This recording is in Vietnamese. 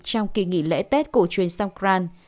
trong kỳ nghỉ lễ tết cổ truyền songkran